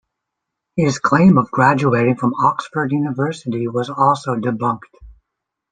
His claim of graduating from Oxford University was also debunked.